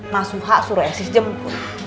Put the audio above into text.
mas suha suruh esi jemput